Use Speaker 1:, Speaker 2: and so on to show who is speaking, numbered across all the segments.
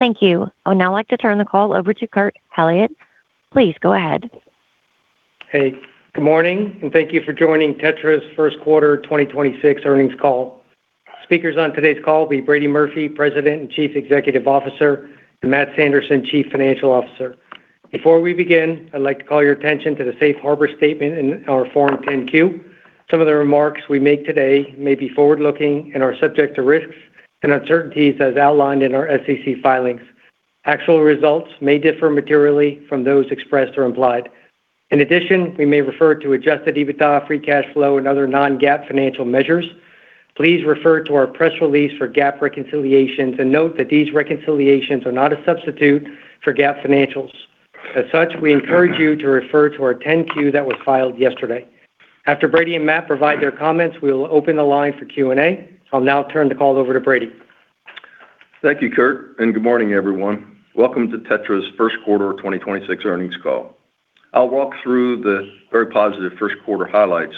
Speaker 1: Thank you. I would now like to turn the call over to Kurt Hallead. Please go ahead.
Speaker 2: Hey, good morning, and thank you for joining TETRA's first quarter 2026 earnings call. Speakers on today's call will be Brady Murphy, President and Chief Executive Officer, and Matt Sanderson, Chief Financial Officer. Before we begin, I'd like to call your attention to the safe harbor statement in our Form 10-Q. Some of the remarks we make today may be forward-looking and are subject to risks and uncertainties as outlined in our SEC filings. Actual results may differ materially from those expressed or implied. In addition, we may refer to adjusted EBITDA, free cash flow and other non-GAAP financial measures. Please refer to our press release for GAAP reconciliations and note that these reconciliations are not a substitute for GAAP financials. As such, we encourage you to refer to our 10-Q that was filed yesterday. After Brady and Matt provide their comments, we will open the line for Q&A. I'll now turn the call over to Brady.
Speaker 3: Thank you, Kurt. Good morning, everyone. Welcome to TETRA's first quarter 2026 earnings call. I'll walk through the very positive first quarter highlights,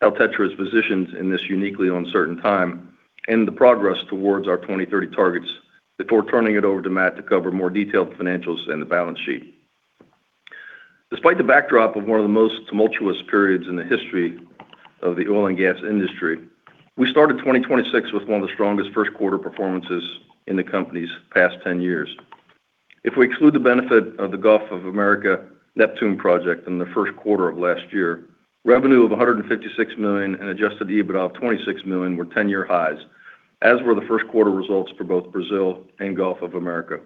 Speaker 3: how TETRA is positioned in this uniquely uncertain time and the progress towards our 2030 targets before turning it over to Matt to cover more detailed financials and the balance sheet. Despite the backdrop of one of the most tumultuous periods in the history of the oil and gas industry, we started 2026 with one of the strongest first quarter performances in the company's past 10 years. If we exclude the benefit of the Gulf of America Neptune project in the first quarter of last year, revenue of $156 million and adjusted EBITDA of $26 million were 10-year highs, as were the first quarter results for both Brazil and Gulf of America.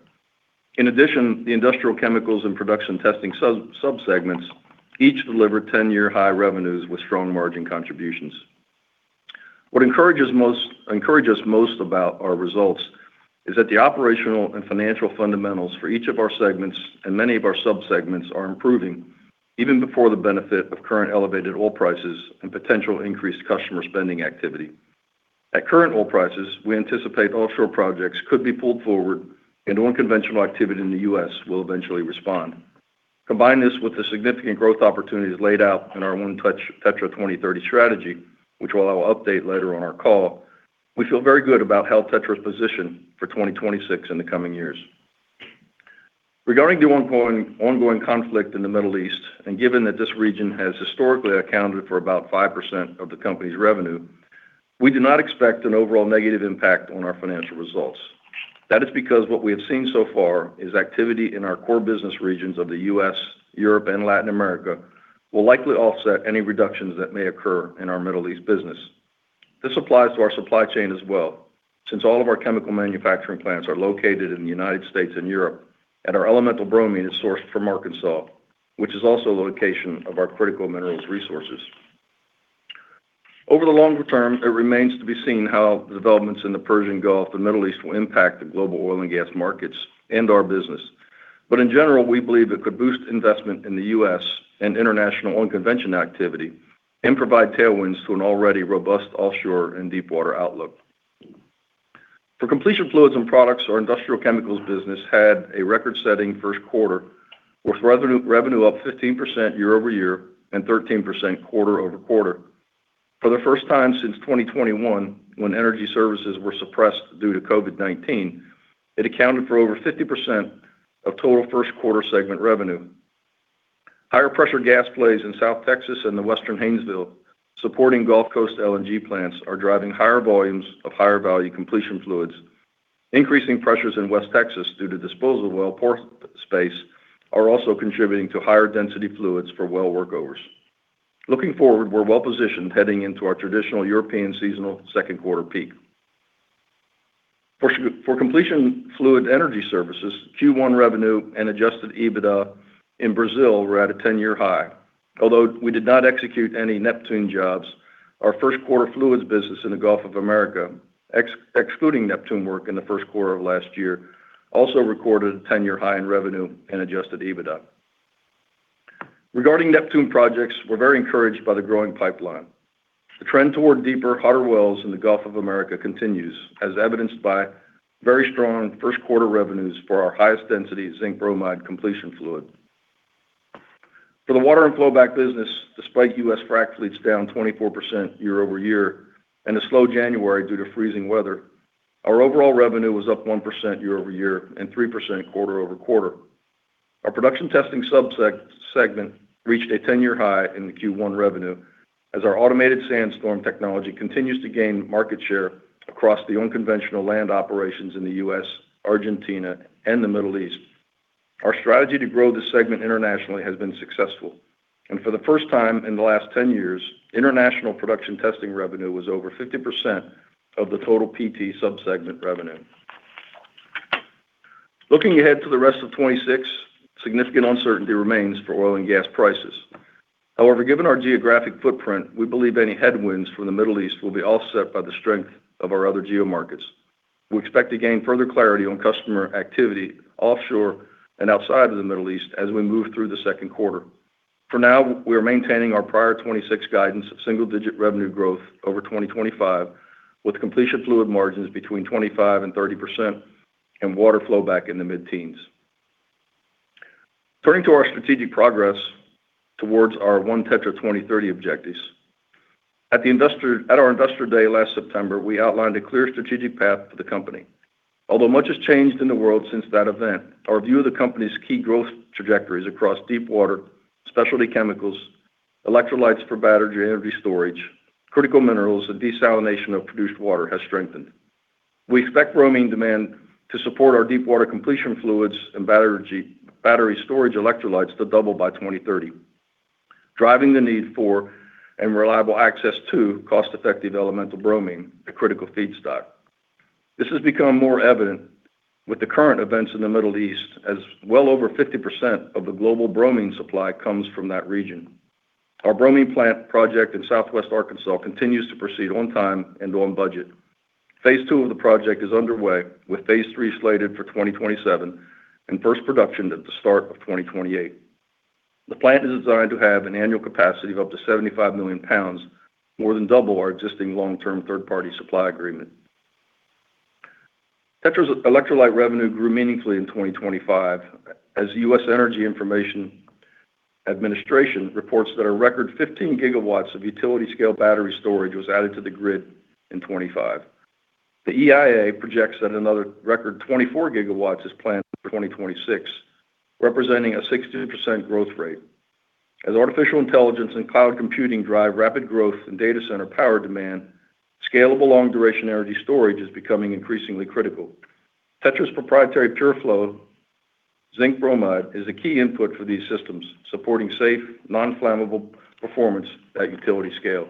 Speaker 3: In addition, the industrial chemicals and production testing sub-segments each delivered 10-year high revenues with strong margin contributions. What encourages us most about our results is that the operational and financial fundamentals for each of our segments and many of our sub-segments are improving even before the benefit of current elevated oil prices and potential increased customer spending activity. At current oil prices, we anticipate offshore projects could be pulled forward into unconventional activity in the U.S. will eventually respond. Combine this with the significant growth opportunities laid out in our ONE TETRA 2030 strategy, which I'll update later on our call, we feel very good about how TETRA's positioned for 2026 in the coming years. Regarding the ongoing conflict in the Middle East, given that this region has historically accounted for about 5% of the company's revenue, we do not expect an overall negative impact on our financial results. That is because what we have seen so far is activity in our core business regions of the U.S., Europe and Latin America will likely offset any reductions that may occur in our Middle East business. This applies to our supply chain as well since all of our chemical manufacturing plants are located in the U.S. and Europe, our elemental bromine is sourced from Arkansas, which is also the location of our critical minerals resources. Over the longer term, it remains to be seen how the developments in the Persian Gulf and Middle East will impact the global oil and gas markets and our business. In general, we believe it could boost investment in the U.S. and international oil and conventional activity and provide tailwinds to an already robust offshore and deepwater outlook. For completion fluids and products, our industrial chemicals business had a record-setting 1st quarter, with revenue up 15% year-over-year and 13% quarter-over-quarter. For the first time since 2021, when energy services were suppressed due to COVID-19, it accounted for over 50% of total first quarter segment revenue. Higher pressure gas plays in South Texas and the Western Haynesville supporting Gulf Coast LNG plants are driving higher volumes of higher value completion fluids. Increasing pressures in West Texas due to disposal well pore space are also contributing to higher density fluids for well workovers. Looking forward, we're well-positioned heading into our traditional European seasonal second quarter peak. For completion fluid energy services, Q1 revenue and adjusted EBITDA in Brazil were at a 10-year high. Although we did not execute any Neptune jobs, our first quarter fluids business in the Gulf of Mexico excluding Neptune work in the first quarter of last year, also recorded a 10-year high in revenue and adjusted EBITDA. Regarding Neptune projects, we're very encouraged by the growing pipeline. The trend toward deeper, hotter wells in the Gulf of Mexico continues, as evidenced by very strong first quarter revenues for our highest density zinc bromide completion fluid. For the water and flowback business, despite U.S. frack fleets down 24% year-over-year and a slow January due to freezing weather, our overall revenue was up 1% year-over-year and 3% quarter-over-quarter. Our production testing segment reached a 10-year high in the Q1 revenue as our automated SandStorm technology continues to gain market share across the unconventional land operations in the U.S., Argentina, and the Middle East. Our strategy to grow this segment internationally has been successful, and for the first time in the last 10 years, international production testing revenue was over 50% of the total PT subsegment revenue. Looking ahead to the rest of 2026, significant uncertainty remains for oil and gas prices. However, given our geographic footprint, we believe any headwinds from the Middle East will be offset by the strength of our other geomarkets. We expect to gain further clarity on customer activity offshore and outside of the Middle East as we move through the second quarter. For now, we are maintaining our prior 2026 guidance of single-digit revenue growth over 2025, with completion fluid margins between 25%-30% and water flowback in the mid-teens. Turning to our strategic progress towards our ONE TETRA 2030 objectives. At our Investor Day last September, we outlined a clear strategic path for the company. Although much has changed in the world since that event, our view of the company's key growth trajectories across deep water, specialty chemicals, electrolytes for battery energy storage, critical minerals, and desalination of produced water has strengthened. We expect bromine demand to support our deep water completion fluids and battery storage electrolytes to double by 2030, driving the need for and reliable access to cost-effective elemental bromine, a critical feedstock. This has become more evident with the current events in the Middle East, as well over 50% of the global bromine supply comes from that region. Our bromine plant project in Southwest Arkansas continues to proceed on time and on budget. Phase 2 of the project is underway, with phase 3 slated for 2027 and first production at the start of 2028. The plant is designed to have an annual capacity of up to 75 million pounds, more than double our existing long-term third-party supply agreement. TETRA's electrolyte revenue grew meaningfully in 2025 as U.S. Energy Information Administration reports that a record 15 gigawatts of utility-scale battery storage was added to the grid in 2025. The EIA projects that another record 24 gigawatts is planned for 2026, representing a 16% growth rate. As artificial intelligence and cloud computing drive rapid growth in data center power demand, scalable long-duration energy storage is becoming increasingly critical. TETRA's proprietary PureFlow zinc bromide is a key input for these systems, supporting safe, non-flammable performance at utility scale.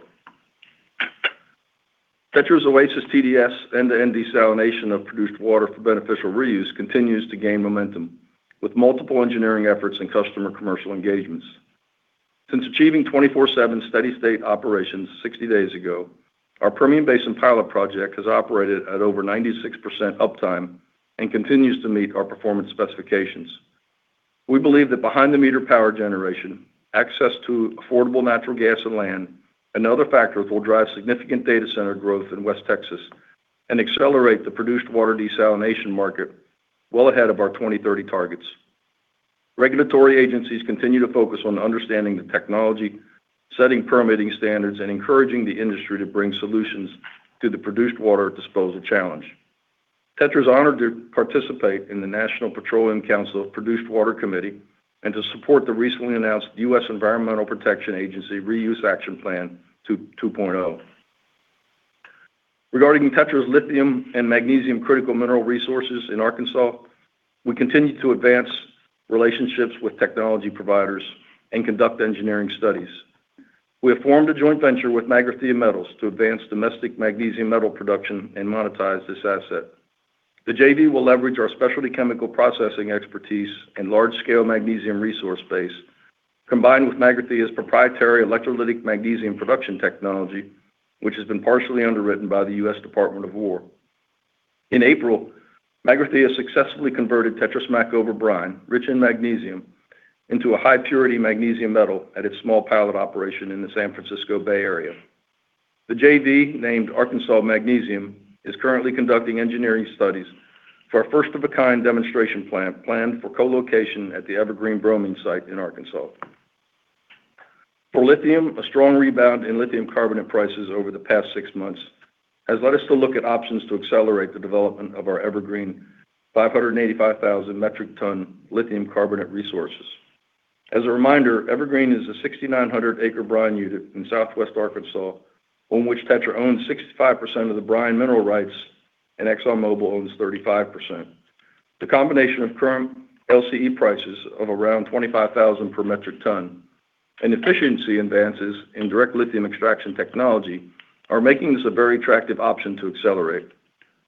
Speaker 3: TETRA's OASIS TDS end-to-end desalination of produced water for beneficial reuse continues to gain momentum with multiple engineering efforts and customer commercial engagements. Since achieving 24/7 steady state operations 60 days ago, our Permian Basin pilot project has operated at over 96% uptime and continues to meet our performance specifications. We believe that behind-the-meter power generation, access to affordable natural gas and land, and other factors will drive significant data center growth in West Texas and accelerate the produced water desalination market well ahead of our 2030 targets. Regulatory agencies continue to focus on understanding the technology, setting permitting standards, and encouraging the industry to bring solutions to the produced water disposal challenge. TETRA is honored to participate in the National Petroleum Council Produced Water Committee and to support the recently announced U.S. Environmental Protection Agency Reuse Action Plan 2.0. Regarding TETRA's lithium and magnesium critical mineral resources in Arkansas, we continue to advance relationships with technology providers and conduct engineering studies. We have formed a joint venture with Magrathea Metals to advance domestic magnesium metal production and monetize this asset. The JV will leverage our specialty chemical processing expertise and large-scale magnesium resource base, combined with Magrathea's proprietary electrolytic magnesium production technology, which has been partially underwritten by the U.S. Department of Energy. In April, Magrathea successfully converted TETRA's Smackover brine, rich in magnesium, into a high-purity magnesium metal at its small pilot operation in the San Francisco Bay Area. The JV, named Arkansas Magnesium, is currently conducting engineering studies for a first-of-a-kind demonstration plant planned for co-location at the Evergreen Bromine site in Arkansas. For lithium, a strong rebound in lithium carbonate prices over the past six months has led us to look at options to accelerate the development of our Evergreen 585,000 metric ton lithium carbonate resources. As a reminder, Evergreen is a 6,900 acre brine unit in Southwest Arkansas, on which TETRA owns 65% of the brine mineral rights and ExxonMobil owns 35%. The combination of current LCE prices of around 25,000 per metric ton and efficiency advances in direct lithium extraction technology are making this a very attractive option to accelerate.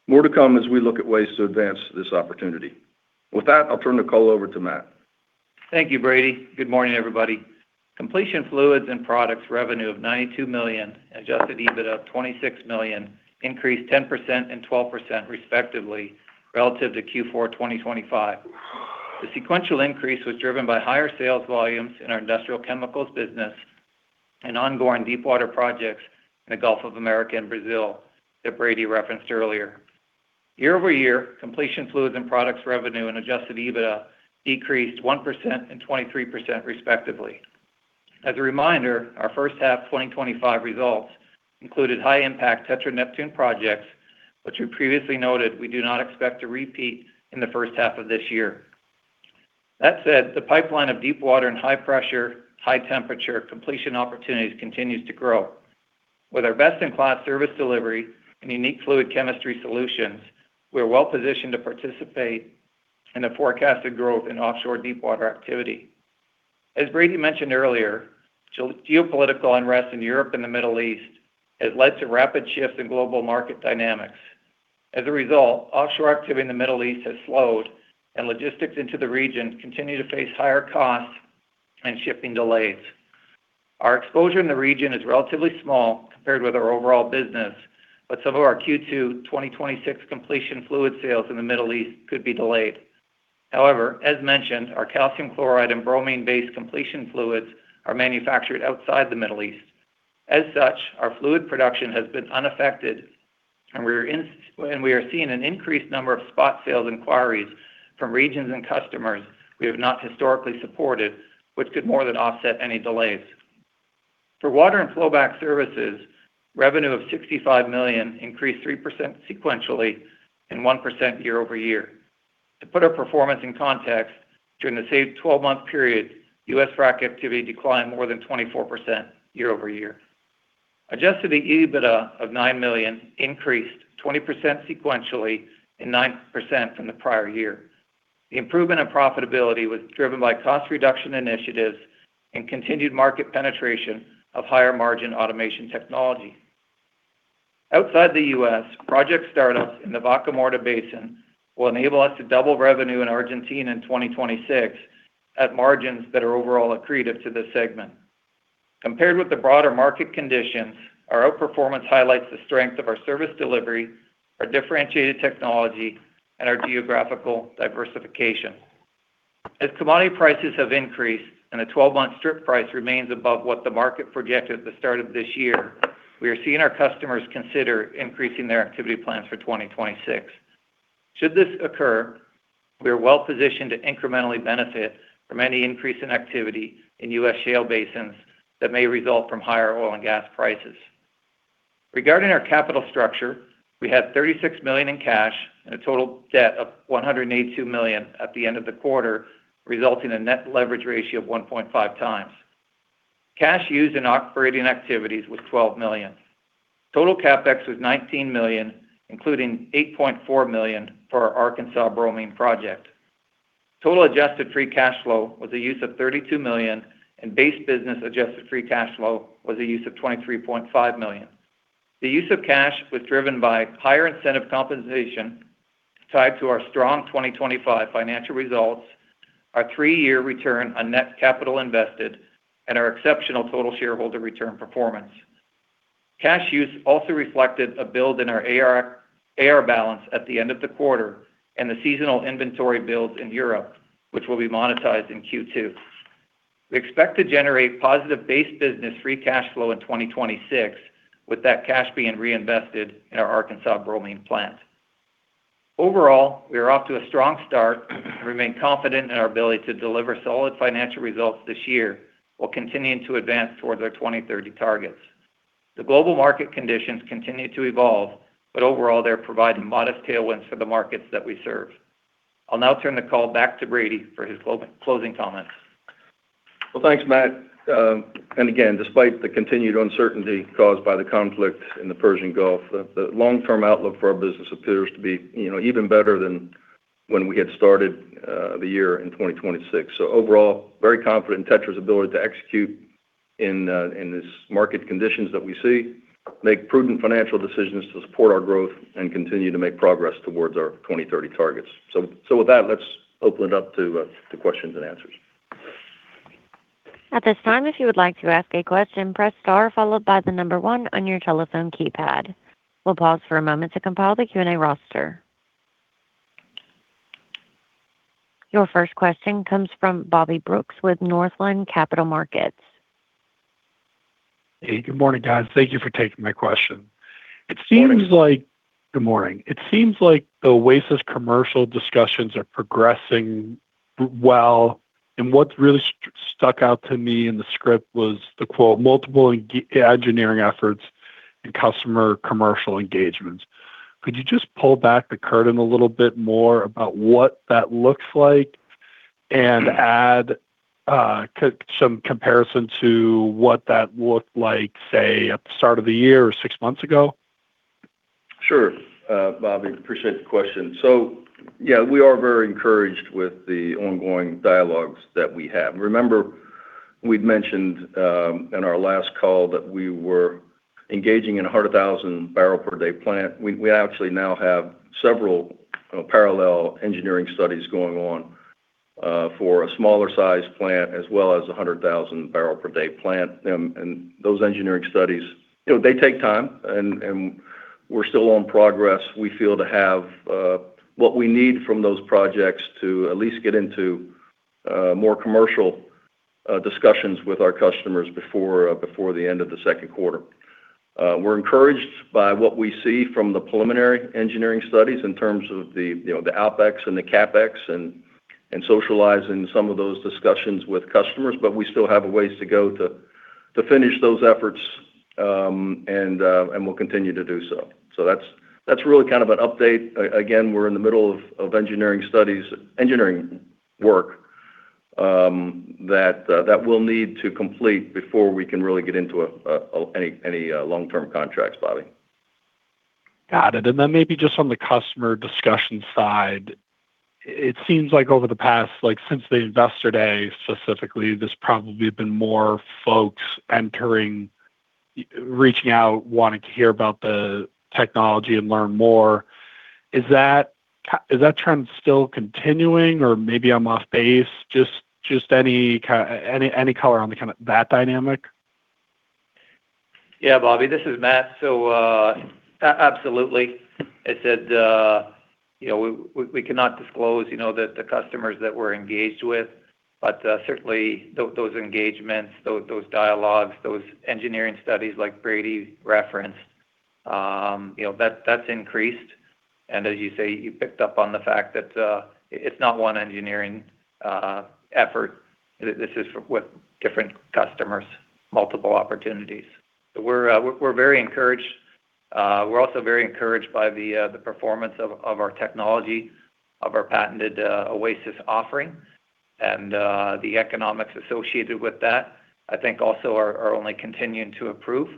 Speaker 3: More to come as we look at ways to advance this opportunity. With that, I'll turn the call over to Matt.
Speaker 4: Thank you, Brady. Good morning, everybody. Completion fluids and products revenue of $92 million, adjusted EBITDA of $26 million increased 10% and 12% respectively relative to Q4 2025. The sequential increase was driven by higher sales volumes in our industrial chemicals business and ongoing deep water projects in the Gulf of America and Brazil that Brady referenced earlier. Year-over-year, completion fluids and products revenue and adjusted EBITDA decreased 1% and 23% respectively. As a reminder, our first half 2025 results included high-impact TETRA CS Neptune projects, which we previously noted we do not expect to repeat in the first half of this year. That said, the pipeline of deep water and high pressure, high temperature completion opportunities continues to grow. With our best-in-class service delivery and unique fluid chemistry solutions, we are well-positioned to participate in the forecasted growth in offshore deep water activity. As Brady Murphy mentioned earlier, geopolitical unrest in Europe and the Middle East has led to rapid shifts in global market dynamics. As a result, offshore activity in the Middle East has slowed, and logistics into the region continue to face higher costs and shipping delays. Our exposure in the region is relatively small compared with our overall business, but some of our Q2 2026 completion fluid sales in the Middle East could be delayed. However, as mentioned, our calcium chloride and bromine-based completion fluids are manufactured outside the Middle East. As such, our fluid production has been unaffected. We are seeing an increased number of spot sales inquiries from regions and customers we have not historically supported, which could more than offset any delays. For water and flowback services, revenue of $65 million increased 3% sequentially and 1% year-over-year. To put our performance in context, during the same 12-month period, U.S. frac activity declined more than 24% year-over-year. Adjusted EBITDA of $9 million increased 20% sequentially and 9% from the prior year. The improvement in profitability was driven by cost reduction initiatives and continued market penetration of higher margin automation technology. Outside the U.S., project startups in the Vaca Muerta basin will enable us to double revenue in Argentina in 2026 at margins that are overall accretive to this segment. Compared with the broader market conditions, our outperformance highlights the strength of our service delivery, our differentiated technology, and our geographical diversification. As commodity prices have increased and the 12-month strip price remains above what the market projected at the start of this year, we are seeing our customers consider increasing their activity plans for 2026. Should this occur, we are well-positioned to incrementally benefit from any increase in activity in U.S. shale basins that may result from higher oil and gas prices. Regarding our capital structure, we had $36 million in cash and a total debt of $182 million at the end of the quarter, resulting in a net leverage ratio of 1.5 times. Cash used in operating activities was $12 million. Total CapEx was $19 million, including $8.4 million for our Evergreen Project. Total adjusted free cash flow was a use of $32 million, and base business adjusted free cash flow was a use of $23.5 million. The use of cash was driven by higher incentive compensation tied to our strong 2025 financial results, our three-year return on net capital invested, and our exceptional total shareholder return performance. Cash use also reflected a build in our AR balance at the end of the quarter and the seasonal inventory builds in Europe, which will be monetized in Q2. We expect to generate positive base business free cash flow in 2026, with that cash being reinvested in our Arkansas bromine plant. Overall, we are off to a strong start and remain confident in our ability to deliver solid financial results this year while continuing to advance towards our 2030 targets. The global market conditions continue to evolve. Overall, they're providing modest tailwinds for the markets that we serve. I'll now turn the call back to Brady for his closing comments.
Speaker 3: Thanks, Matt. Again, despite the continued uncertainty caused by the conflict in the Persian Gulf, the long-term outlook for our business appears to be, you know, even better than when we had started the year in 2026. Overall, very confident in TETRA's ability to execute in this market conditions that we see, make prudent financial decisions to support our growth, and continue to make progress towards our 2030 targets. With that, let's open it up to questions and answers.
Speaker 1: Your first question comes from Bobby Brooks with Northland Capital Markets.
Speaker 5: Hey, good morning, guys. Thank you for taking my question.
Speaker 3: Morning.
Speaker 5: Good morning. It seems like OASIS commercial discussions are progressing well, and what really stuck out to me in the script was the quote, "Multiple engineering efforts and customer commercial engagements." Could you just pull back the curtain a little bit more about what that looks like and add some comparison to what that looked like, say, at the start of the year or six months ago?
Speaker 3: Sure, Bobby. Appreciate the question. Yeah, we are very encouraged with the ongoing dialogues that we have. Remember, we'd mentioned in our last call that we were engaging in a 100,000 barrel per day plant. We actually now have several parallel engineering studies going on for a smaller size plant as well as a 100,000 barrel per day plant. And those engineering studies, you know, they take time and we're still on progress. We feel to have what we need from those projects to at least get into more commercial discussions with our customers before the end of the second quarter. We're encouraged by what we see from the preliminary engineering studies in terms of the, you know, the OpEx and the CapEx and socializing some of those discussions with customers. We still have a ways to go to finish those efforts, and we'll continue to do so. That's really kind of an update. Again, we're in the middle of engineering studies, engineering work, that we'll need to complete before we can really get into any long-term contracts, Bobby.
Speaker 5: Got it. Maybe just on the customer discussion side, it seems like over the past, like since the Investor Day specifically, there's probably been more folks entering, reaching out, wanting to hear about the technology and learn more. Is that trend still continuing or maybe I'm off base? Just any color on the kind of that dynamic.
Speaker 4: Yeah, Bobby, this is Matt. Absolutely. As said. We cannot disclose the customers that we're engaged with, but certainly those engagements, those dialogues, those engineering studies like Brady referenced, that's increased. As you say, you picked up on the fact that it's not 1 engineering effort. This is with different customers, multiple opportunities. We're very encouraged. We're also very encouraged by the performance of our technology, of our patented OASIS offering, and the economics associated with that, I think also are only continuing to improve.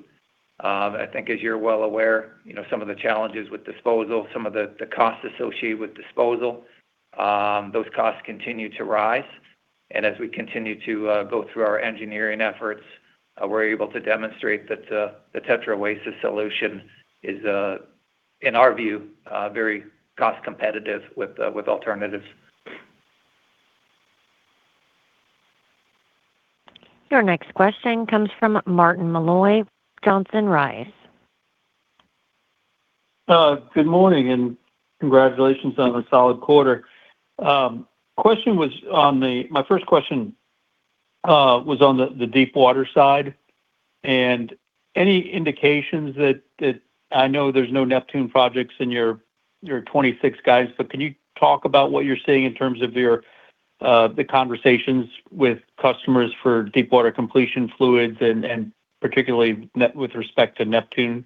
Speaker 4: I think as you're well aware, some of the challenges with disposal, some of the costs associated with disposal, those costs continue to rise.
Speaker 3: As we continue to go through our engineering efforts, we're able to demonstrate that the TETRA OASIS solution is in our view very cost competitive with alternatives.
Speaker 1: Your next question comes from Martin Malloy, Johnson Rice.
Speaker 6: Good morning and congratulations on a solid quarter. My first question was on the deepwater side. Any indications? I know there's no Neptune projects in your 2026 guides, but can you talk about what you're seeing in terms of your conversations with customers for deepwater completion fluids and particularly with respect to Neptune,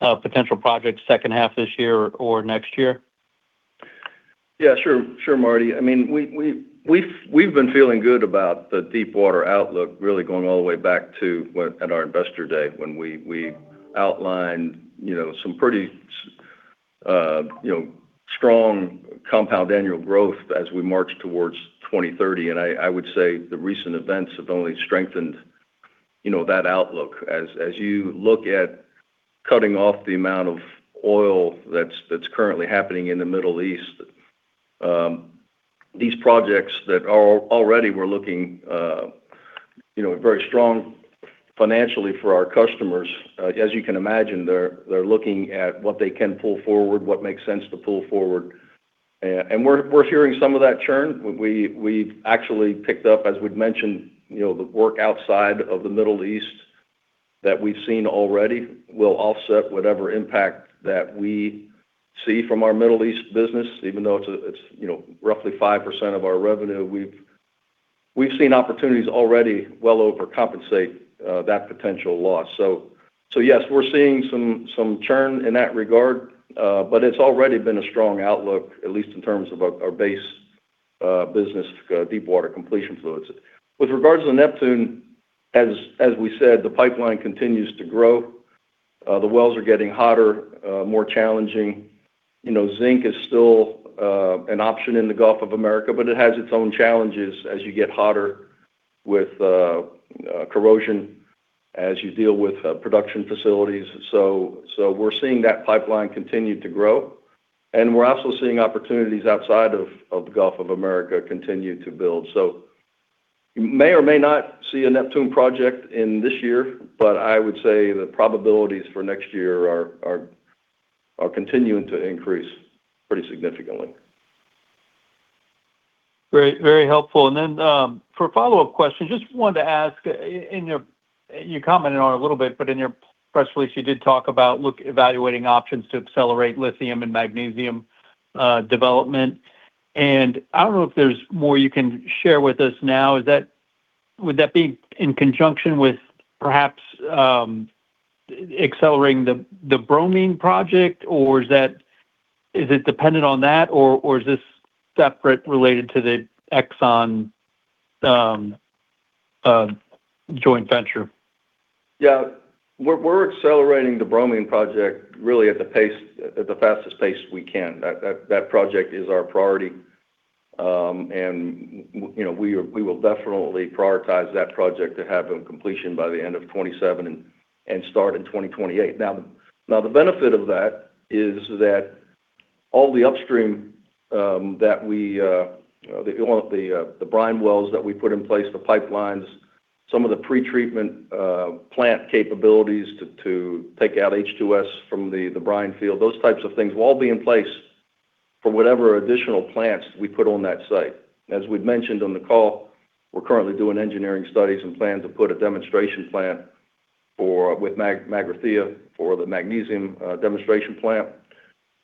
Speaker 6: potential projects second half this year or next year?
Speaker 3: Yeah, sure. Sure, Martin. I mean, we've been feeling good about the deep water outlook, really going all the way back to when at our investor day when we outlined, you know, some pretty strong compound annual growth as we march towards 2030. I would say the recent events have only strengthened, you know, that outlook. As you look at cutting off the amount of oil that's currently happening in the Middle East, these projects that are already were looking, you know, very strong financially for our customers. As you can imagine, they're looking at what they can pull forward, what makes sense to pull forward. We're hearing some of that churn. We've actually picked up, as we've mentioned, you know, the work outside of the Middle East that we've seen already will offset whatever impact that we see from our Middle East business, even though it's, you know, roughly 5% of our revenue. We've seen opportunities already well overcompensate that potential loss. Yes, we're seeing some churn in that regard, but it's already been a strong outlook, at least in terms of our base business, deep water completion fluids. With regards to the Neptune, as we said, the pipeline continues to grow. The wells are getting hotter, more challenging. You know, zinc is still an option in the Gulf of Mexico, but it has its own challenges as you get hotter with corrosion, as you deal with production facilities. We're seeing that pipeline continue to grow. We're also seeing opportunities outside of the Gulf of Mexico continue to build. You may or may not see a Neptune project in this year, but I would say the probabilities for next year are continuing to increase pretty significantly.
Speaker 6: Great. Very helpful. For a follow-up question, just wanted to ask you commented on it a little bit, but in your press release, you did talk about evaluating options to accelerate lithium and magnesium development. I don't know if there's more you can share with us now. Would that be in conjunction with perhaps accelerating the bromine project, or is it dependent on that, or is this separate related to the ExxonMobil joint venture?
Speaker 3: Yeah. We're accelerating the bromine project really at the pace, at the fastest pace we can. That project is our priority. You know, we will definitely prioritize that project to have them completion by the end of 27 and start in 2028. Now the benefit of that is that all the upstream that we, you know, the brine wells that we put in place, the pipelines, some of the pretreatment plant capabilities to take out H2S from the brine field, those types of things will all be in place for whatever additional plants we put on that site. As we've mentioned on the call, we're currently doing engineering studies and plan to put a demonstration plant with Magrathea for the magnesium demonstration plant.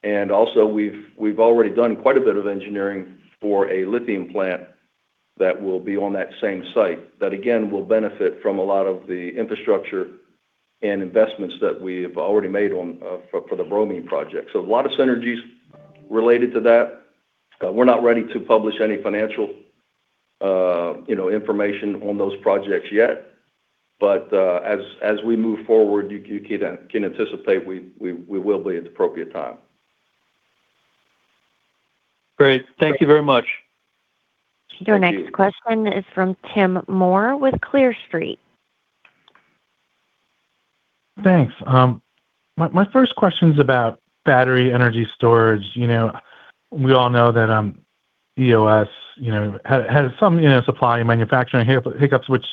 Speaker 3: Also we've already done quite a bit of engineering for a lithium plant that will be on that same site. That again, will benefit from a lot of the infrastructure and investments that we have already made on for the bromine project. A lot of synergies related to that. We're not ready to publish any financial, you know, information on those projects yet. As we move forward, you can anticipate we will be at the appropriate time.
Speaker 6: Great. Thank you very much.
Speaker 1: Your next question is from Tim Moore with Clear Street.
Speaker 7: Thanks. My first question's about battery energy storage. You know, we all know that lithiumEos, you know, had some, you know, supply and manufacturing hiccups, which,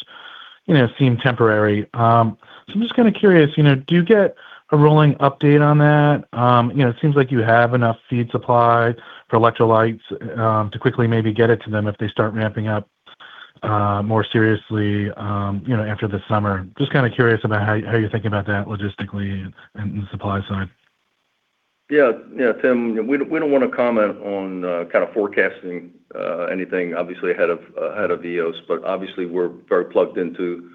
Speaker 7: you know, seem temporary. I'm just kind of curious, you know, do you get a rolling update on that? You know, it seems like you have enough feed supply for electrolytes to quickly maybe get it to them if they start ramping up more seriously, you know, after the summer. Just kind of curious about how you're thinking about that logistically and the supply side.
Speaker 3: Yeah. Yeah, Tim, we don't want to comment on kind of forecasting anything obviously ahead of EOS, but obviously we're very plugged into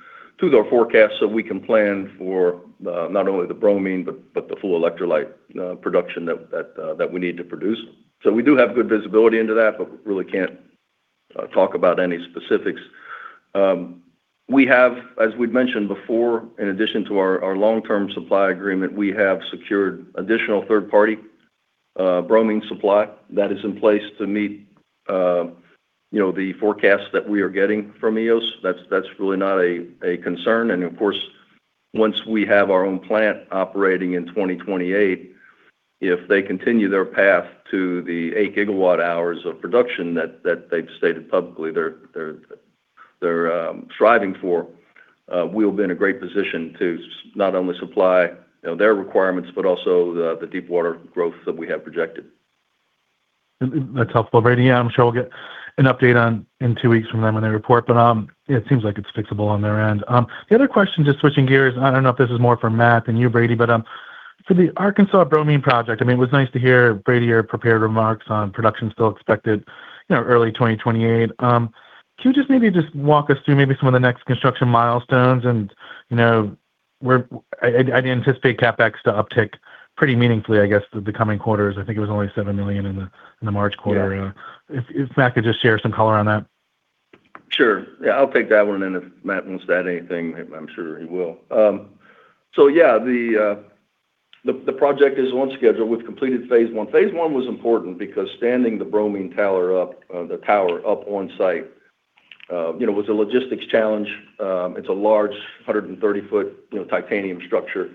Speaker 3: their forecast so we can plan for not only the bromine but the full electrolyte production that we need to produce. We do have good visibility into that, but really can't talk about any specifics. As we'd mentioned before, in addition to our long-term supply agreement, we have secured additional third-party bromine supply that is in place to meet, you know, the forecast that we are getting from EOS. That's really not a concern. Of course, once we have our own plant operating in 2028, if they continue their path to the 8 gigawatt-hours of production that they've stated publicly they're striving for, we'll be in a great position to not only supply, you know, their requirements, but also the deepwater growth that we have projected.
Speaker 7: That's helpful, Brady. I'm sure we'll get an update in 2 weeks from them when they report, but it seems like it's fixable on their end. The other question, just switching gears, and I don't know if this is more for Matt than you, Brady, but for the Arkansas bromine project, I mean, it was nice to hear Brady your prepared remarks on production still expected, you know, early 2028. Can you just maybe just walk us through maybe some of the next construction milestones? And, you know, I'd anticipate CapEx to uptick pretty meaningfully, I guess, the coming quarters. I think it was only $7 million in the March quarter.
Speaker 3: Yeah.
Speaker 7: If Matt could just share some color on that.
Speaker 3: Sure. Yeah, I'll take that one, and if Matt wants to add anything, I'm sure he will. Yeah, the project is on schedule. We've completed phase one. Phase one was important because standing the bromine tower up, the tower up on site, you know, was a logistics challenge. It's a large 130-foot, you know, titanium structure.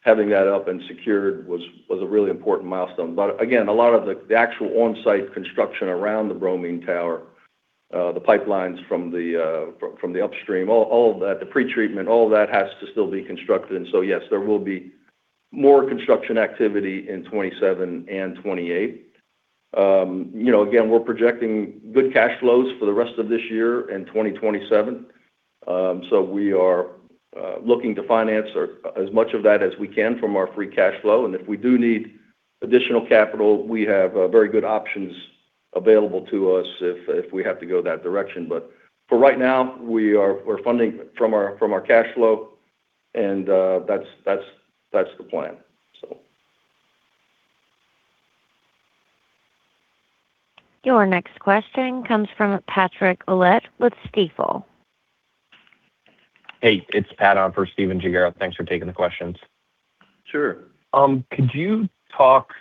Speaker 3: Having that up and secured was a really important milestone. Again, a lot of the actual on-site construction around the bromine tower, the pipelines from the upstream, all of that, the pretreatment, all that has to still be constructed. Yes, there will be more construction activity in 2027 and 2028. You know, again, we're projecting good cash flows for the rest of this year and 2027. We are looking to finance as much of that as we can from our free cash flow. If we do need additional capital, we have very good options available to us if we have to go that direction. For right now, we're funding from our cash flow, and that's the plan.
Speaker 1: Your next question comes from Patrick Ouellette with Stifel.
Speaker 8: Hey, it's Pat on for Stephen Gengaro. Thanks for taking the questions.
Speaker 3: Sure.
Speaker 8: Could you talk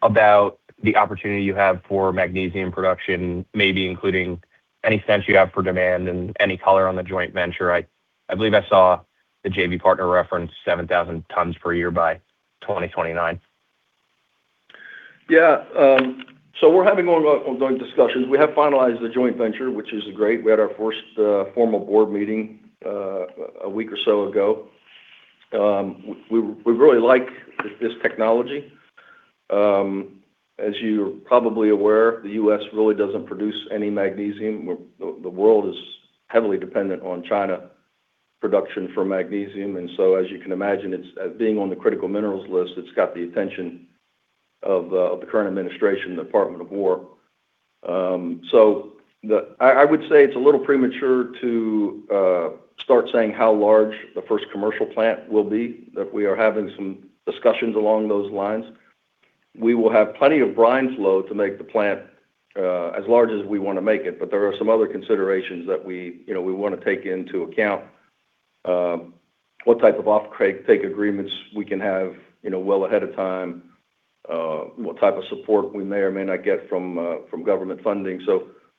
Speaker 8: about the opportunity you have for magnesium production, maybe including any sense you have for demand and any color on the joint venture? I believe I saw the JV partner reference 7,000 tons per year by 2029.
Speaker 3: Yeah. We're having ongoing discussions. We have finalized the joint venture, which is great. We had our first formal board meeting a week or so ago. We really like this technology. As you're probably aware, the U.S. really doesn't produce any magnesium. The world is heavily dependent on China production for magnesium. As you can imagine, it's being on the critical minerals list, it's got the attention of the current administration, the U.S. Department of Energy. I would say it's a little premature to start saying how large the first commercial plant will be, that we are having some discussions along those lines. We will have plenty of brine flow to make the plant as large as we wanna make it. There are some other considerations that we, you know, we wanna take into account. What type of offtake agreements we can have, you know, well ahead of time. What type of support we may or may not get from government funding.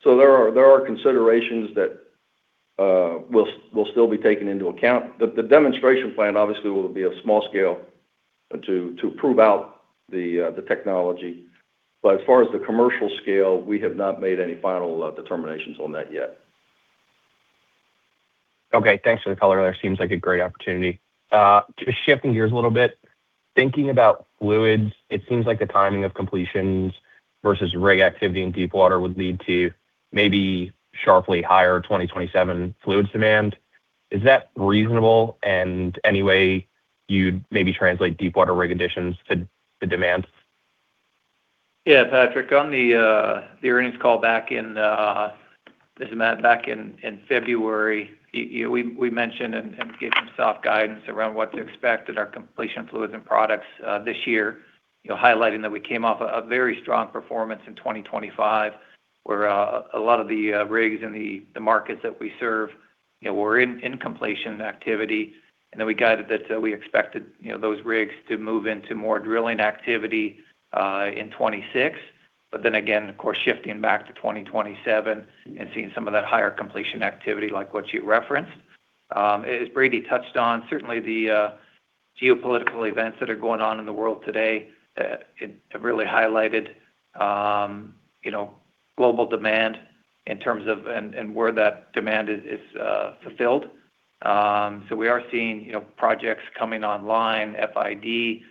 Speaker 3: There are considerations that will still be taken into account. The demonstration plant obviously will be a small scale to prove out the technology. As far as the commercial scale, we have not made any final determinations on that yet.
Speaker 8: Okay. Thanks for the color there. Seems like a great opportunity. Just shifting gears a little bit, thinking about fluids, it seems like the timing of completions versus rig activity in deepwater would lead to maybe sharply higher 2027 fluids demand. Is that reasonable? Any way you'd maybe translate deepwater rig additions to demand?
Speaker 4: Yeah, Patrick, on the earnings call back in, this is Matt, back in February, we mentioned and gave some soft guidance around what to expect at our completion fluids and products this year. You know, highlighting that we came off a very strong performance in 2025, where a lot of the rigs in the markets that we serve, you know, were in completion activity. We guided that we expected, you know, those rigs to move into more drilling activity in 2026. Again, of course, shifting back to 2027 and seeing some of that higher completion activity like what you referenced. As Brady touched on, certainly the geopolitical events that are going on in the world today, it have really highlighted, you know, global demand in terms of, and where that demand is fulfilled. We are seeing, you know, projects coming online, FID.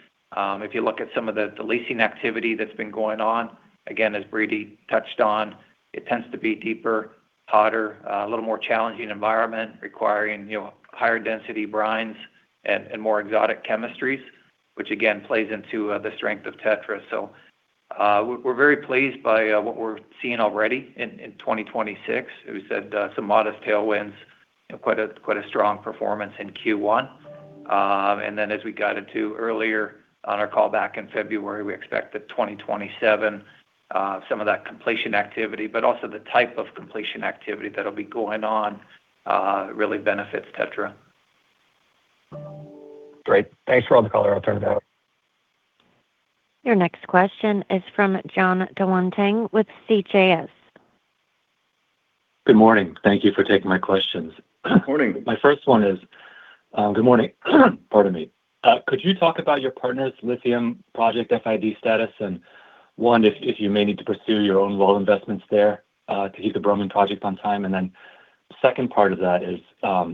Speaker 4: If you look at some of the leasing activity that's been going on, again, as Brady touched on, it tends to be deeper, hotter, a little more challenging environment requiring, you know, higher density brines and more exotic chemistries, which again, plays into the strength of TETRA. We're very pleased by what we're seeing already in 2026. We said some modest tailwinds, you know, quite a strong performance in Q1. As we got into earlier on our call back in February, we expect that 2027, some of that completion activity, but also the type of completion activity that'll be going on, really benefits TETRA.
Speaker 8: Great. Thanks for all the color. I'll turn it back.
Speaker 1: Your next question is from John Daniel with CJS.
Speaker 9: Good morning. Thank you for taking my questions.
Speaker 3: Morning.
Speaker 9: My first one is, good morning. Pardon me. Could you talk about your partner's lithium project FID status, and one, if you may need to pursue your own well investments there, to hit the bromine project on time? Second part of that is,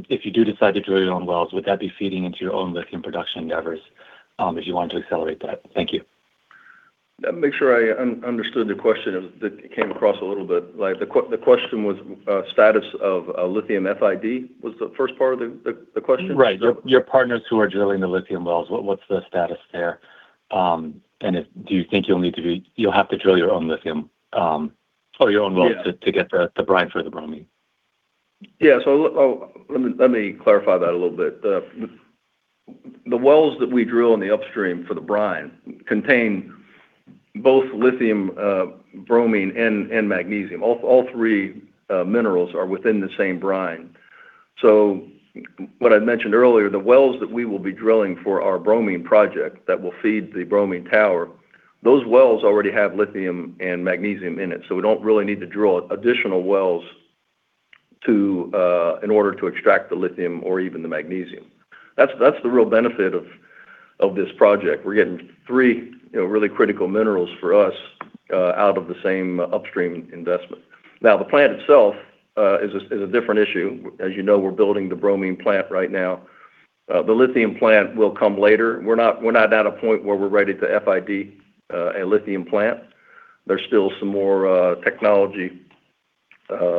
Speaker 9: if you do decide to drill your own wells, would that be feeding into your own lithium production endeavors, if you want to accelerate that? Thank you.
Speaker 3: Let me make sure I understood the question. It came across a little bit like The question was status of lithium FID, was the first part of the question?
Speaker 9: Right. Your partners who are drilling the lithium wells, what's the status there? If you think you'll have to drill your own lithium, or your own wells to get the brine for the bromine?
Speaker 3: Yeah. Let me, let me clarify that a little bit. The wells that we drill in the upstream for the brine contain both lithium, bromine and magnesium. All three minerals are within the same brine. What I mentioned earlier, the wells that we will be drilling for our bromine project that will feed the bromine tower, those wells already have lithium and magnesium in it. We don't really need to drill additional wells to in order to extract the lithium or even the magnesium. That's the real benefit of this project. We're getting three, you know, really critical minerals for us out of the same upstream investment. The plant itself is a different issue. As you know, we're building the bromine plant right now. The lithium plant will come later. We're not at a point where we're ready to FID a lithium plant. There's still some more technology, you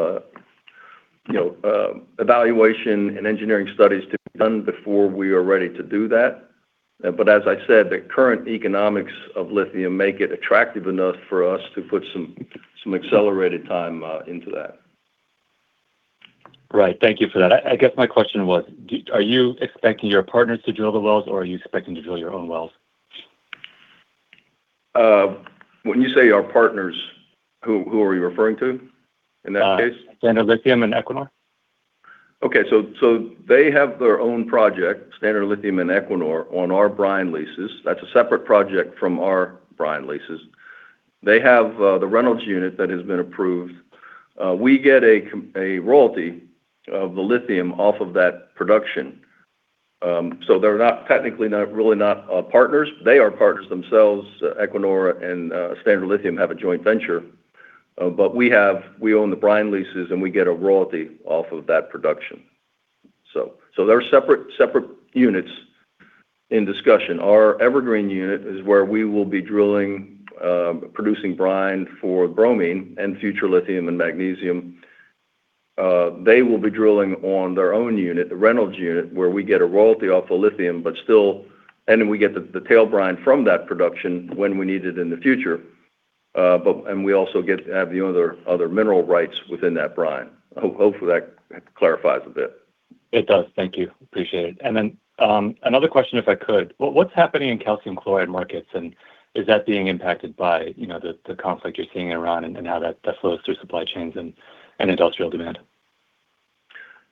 Speaker 3: know, evaluation and engineering studies to be done before we are ready to do that. But as I said, the current economics of lithium make it attractive enough for us to put some accelerated time into that.
Speaker 9: Right. Thank you for that. I guess my question was, are you expecting your partners to drill the wells or are you expecting to drill your own wells?
Speaker 3: When you say our partners, who are you referring to in that case?
Speaker 9: Standard Lithium and Equinor.
Speaker 3: Okay. They have their own project, Standard Lithium and Equinor, on our brine leases. That's a separate project from our brine leases. They have the Reynolds unit that has been approved. We get a royalty of the lithium off of that production. They're not, technically not, really not partners. They are partners themselves. Equinor and Standard Lithium have a joint venture. We own the brine leases, and we get a royalty off of that production. There are separate units in discussion. Our Evergreen Project is where we will be drilling, producing brine for bromine and future lithium and magnesium. They will be drilling on their own unit, the Reynolds unit, where we get a royalty off the lithium, and we get the tail brine from that production when we need it in the future. We also get to have the other mineral rights within that brine. Hopefully that clarifies a bit.
Speaker 9: It does. Thank you. Appreciate it. Another question if I could. What's happening in calcium chloride markets, and is that being impacted by, you know, the conflict you're seeing in Iran and how that flows through supply chains and industrial demand?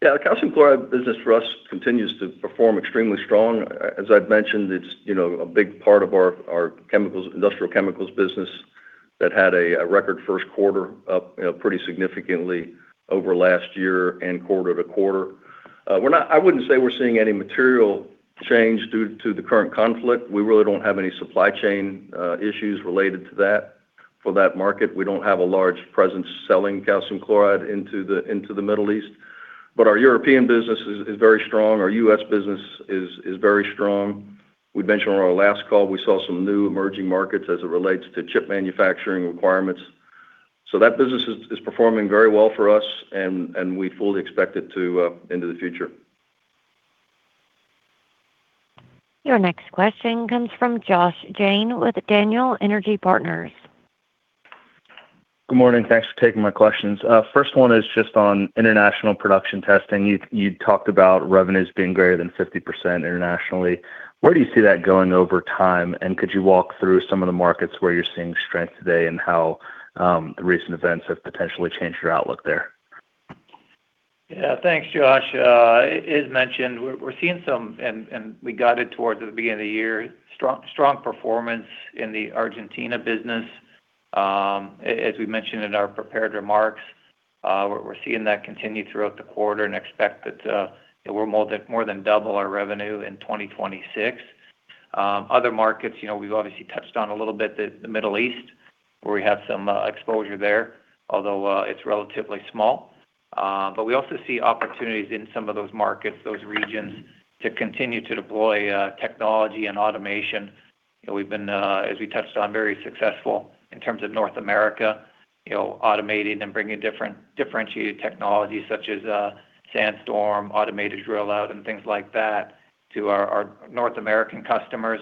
Speaker 3: The calcium chloride business for us continues to perform extremely strong. As I've mentioned, it's, you know, a big part of our chemicals, industrial chemicals business that had a record first quarter up, you know, pretty significantly over last year and quarter-to-quarter. I wouldn't say we're seeing any material change due to the current conflict. We really don't have any supply chain issues related to that for that market. We don't have a large presence selling calcium chloride into the Middle East, but our European business is very strong. Our U.S. business is very strong. We mentioned on our last call we saw some new emerging markets as it relates to chip manufacturing requirements. That business is performing very well for us and we fully expect it to into the future.
Speaker 1: Your next question comes from Josh Jayne with Daniel Energy Partners.
Speaker 10: Good morning. Thanks for taking my questions. First one is just on international production testing. You talked about revenues being greater than 50% internationally. Where do you see that going over time? Could you walk through some of the markets where you're seeing strength today and how the recent events have potentially changed your outlook there?
Speaker 3: Yeah. Thanks, Josh. As mentioned, we're seeing some, and we guided towards the beginning of the year, strong performance in the Argentina business.
Speaker 4: As we mentioned in our prepared remarks, we're seeing that continue throughout the quarter and expect that, you know, we're more than double our revenue in 2026. Other markets, you know, we've obviously touched on a little bit the Middle East, where we have some exposure there, although it's relatively small. We also see opportunities in some of those markets, those regions, to continue to deploy technology and automation. You know, we've been, as we touched on, very successful in terms of North America, you know, automating and bringing different differentiated technologies such as Sandstorm, automated drill out, and things like that to our North American customers.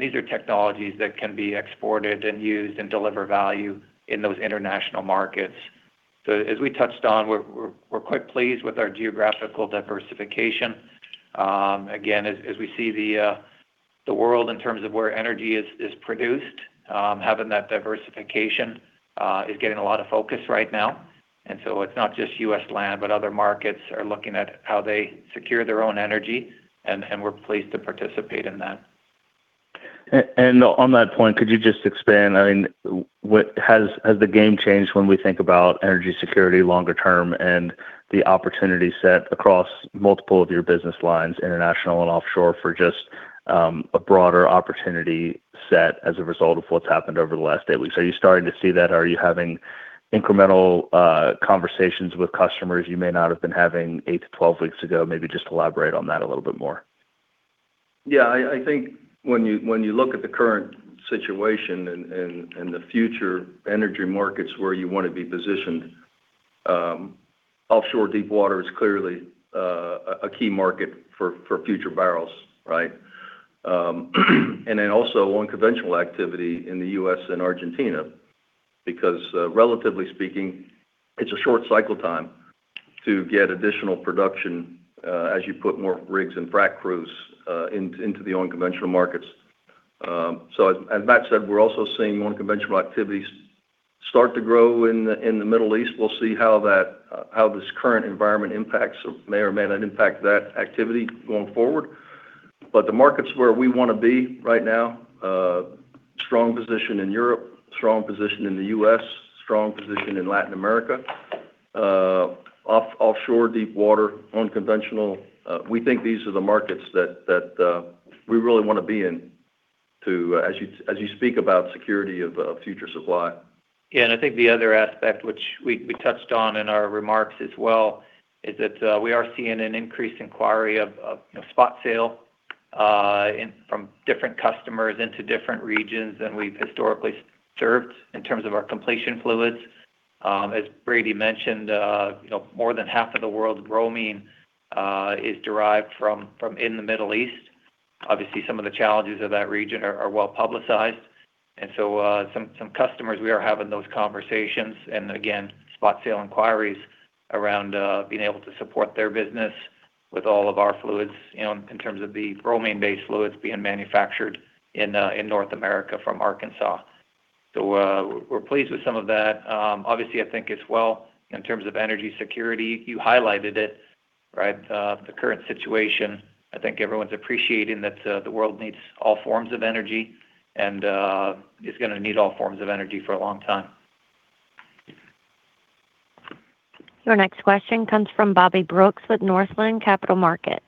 Speaker 4: These are technologies that can be exported and used and deliver value in those international markets. As we touched on, we're quite pleased with our geographical diversification. Again, as we see the world in terms of where energy is produced, having that diversification is getting a lot of focus right now. It's not just U.S. land, but other markets are looking at how they secure their own energy, and we're pleased to participate in that.
Speaker 10: On that point, could you just expand? I mean, what has the game changed when we think about energy security longer term and the opportunity set across multiple of your business lines, international and offshore, for just a broader opportunity set as a result of what's happened over the last 8 weeks? Are you starting to see that? Are you having incremental conversations with customers you may not have been having 8 to 12 weeks ago? Maybe just elaborate on that a little bit more.
Speaker 3: I think when you look at the current situation and the future energy markets where you want to be positioned, offshore deepwater is clearly a key market for future barrels, right? Also unconventional activity in the U.S. and Argentina, because relatively speaking, it's a short cycle time to get additional production as you put more rigs and frack crews into the unconventional markets. As Matt said, we're also seeing unconventional activities start to grow in the Middle East. We'll see how that, how this current environment impacts or may or may not impact that activity going forward. The markets where we want to be right now, strong position in Europe, strong position in the U.S., strong position in Latin America. Offshore deepwater, unconventional, we think these are the markets that, we really wanna be in to, as you speak about security of future supply.
Speaker 4: I think the other aspect which we touched on in our remarks as well, is that we are seeing an increased inquiry of, you know, spot sale, in, from different customers into different regions than we've historically served in terms of our completion fluids. As Brady mentioned, you know, more than half of the world's bromine is derived from in the Middle East. Obviously, some of the challenges of that region are well-publicized. Some customers, we are having those conversations. Spot sale inquiries around being able to support their business with all of our fluids, you know, in terms of the bromine-based fluids being manufactured in North America from Arkansas. We're pleased with some of that. Obviously, I think as well, in terms of energy security, you highlighted it, right? The current situation, I think everyone's appreciating that the world needs all forms of energy and is gonna need all forms of energy for a long time.
Speaker 1: Your next question comes from Bobby Brooks with Northland Capital Markets.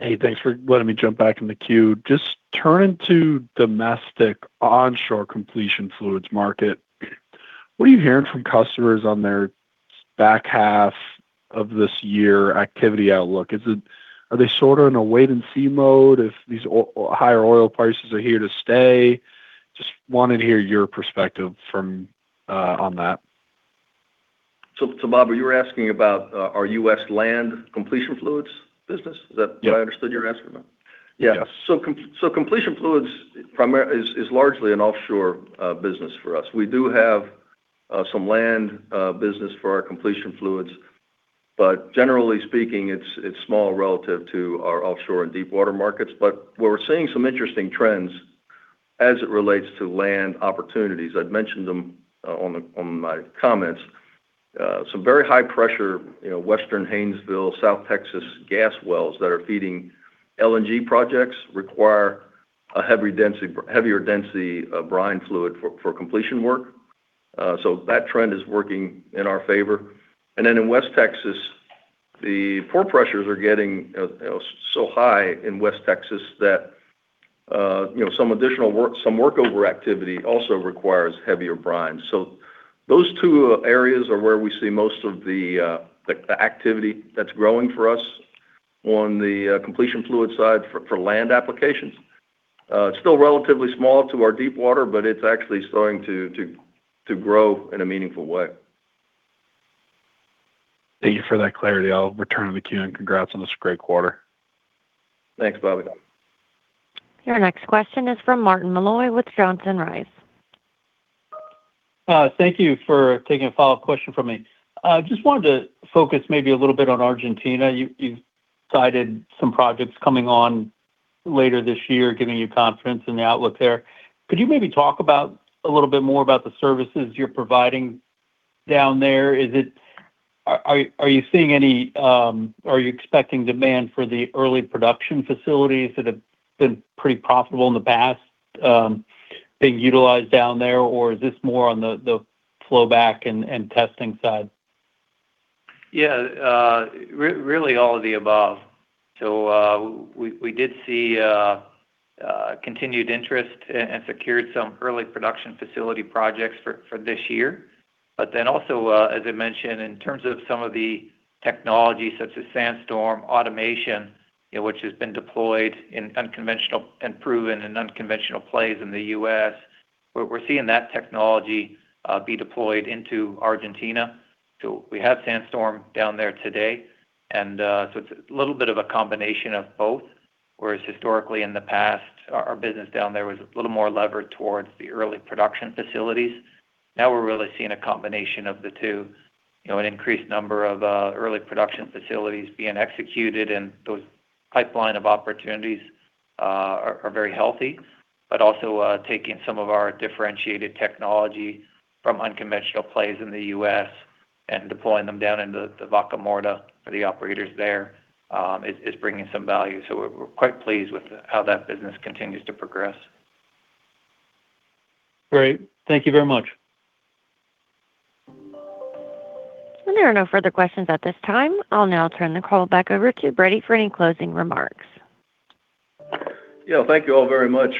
Speaker 5: Hey, thanks for letting me jump back in the queue. Just turning to domestic onshore completion fluids market, what are you hearing from customers on their back half of this year activity outlook? Are they sort of in a wait and see mode if these higher oil prices are here to stay? Just wanted to hear your perspective from on that.
Speaker 3: Bobby, you were asking about our U.S. land completion fluids business?
Speaker 5: Yeah
Speaker 3: What I understood you're asking about?
Speaker 5: Yeah.
Speaker 3: Completion fluids is largely an offshore business for us. We do have some land business for our completion fluids, but generally speaking, it's small relative to our offshore and deepwater markets. Where we're seeing some interesting trends as it relates to land opportunities, I'd mentioned them on my comments. Some very high pressure, you know, Western Haynesville, South Texas gas wells that are feeding LNG projects require a heavy density, heavier density of brine fluid for completion work. That trend is working in our favor. In West Texas, the pore pressures are getting so high in West Texas that, you know, some additional work, some work overactivity also requires heavier brine. Those two areas are where we see most of the activity that's growing for us on the completion fluid side for land applications. It's still relatively small to our deepwater, but it's actually starting to grow in a meaningful way.
Speaker 5: Thank you for that clarity. I'll return to the queue, and congrats on this great quarter.
Speaker 3: Thanks, Bobby.
Speaker 1: Your next question is from Martin Malloy with Johnson Rice.
Speaker 6: Thank you for taking a follow-up question from me. Just wanted to focus maybe a little bit on Argentina. You've cited some projects coming on later this year, giving you confidence in the outlook there. Could you maybe talk a little more about the services you're providing down there? Are you seeing any? Are you expecting demand for the early production facilities that have been pretty profitable in the past, being utilized down there, or is this more on the flow back and testing side?
Speaker 4: Yeah, really all of the above. We did see continued interest and secured some early production facility projects for this year. Also, as I mentioned, in terms of some of the technology such as TETRA SandStorm automation, you know, which has been deployed in unconventional and proven and unconventional plays in the U.S., we're seeing that technology be deployed into Argentina. We have TETRA SandStorm down there today, it's a little bit of a combination of both. Whereas historically in the past, our business down there was a little more levered towards the early production facilities. Now we're really seeing a combination of the two. You know, an increased number of early production facilities being executed and those pipeline of opportunities are very healthy. Taking some of our differentiated technology from unconventional plays in the U.S. and deploying them down into the Vaca Muerta for the operators there, is bringing some value. We're quite pleased with how that business continues to progress.
Speaker 6: Great. Thank you very much.
Speaker 1: There are no further questions at this time. I'll now turn the call back over to Brady for any closing remarks.
Speaker 3: Yeah. Thank you all very much.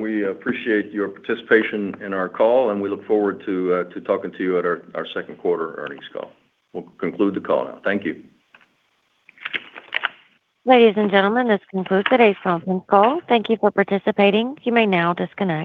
Speaker 3: We appreciate your participation in our call, and we look forward to talking to you at our second quarter earnings call. We'll conclude the call now. Thank you.
Speaker 1: Ladies and gentlemen, this concludes today's conference call. Thank you for participating. You may now disconnect.